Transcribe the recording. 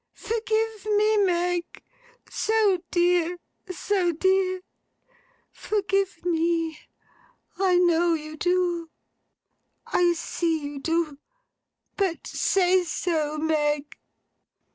'Forgive me, Meg! So dear, so dear! Forgive me! I know you do, I see you do, but say so, Meg!